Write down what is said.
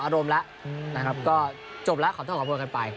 อารมณ์แล้วนะครับก็จบแล้วขอโทษขอโทษกันไป